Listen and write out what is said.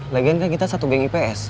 lagian kan kita satu geng ips